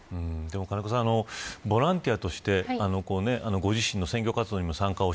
金子さん、ボランティアとしてご自身の選挙活動にも参加を